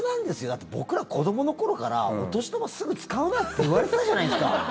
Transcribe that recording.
だって、僕ら子どもの頃からお年玉すぐ使うなって言われてたじゃないですか。